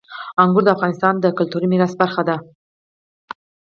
انګور د افغانستان د کلتوري میراث برخه ده.